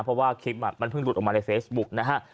เพราะว่าคลิปมันเพิ่งหลุดออกมาในเฟซบุ๊กนะฮะ